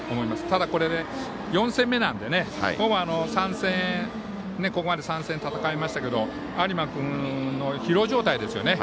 ただ、４戦目なのでここまで３戦戦いましたけど有馬君の疲労状態ですよね。